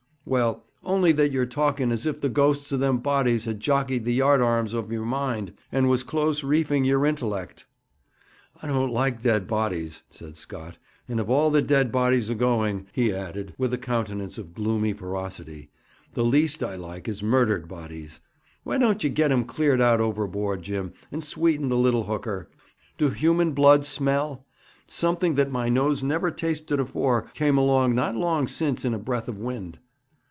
'Well, only that you're talking as if the ghosts of them bodies had jockeyed the yard arms of your mind, and was close reefing your intellect.' 'I don't like dead bodies,' said Scott; 'and of all the dead bodies a going,' he added, with a countenance of gloomy ferocity, 'the least I like is murdered bodies. Why don't ye get 'em cleared out overboard, Jim, and sweeten the little hooker? Do human blood smell? Something that my nose never tasted afore came along not long since in a breath o' wind.'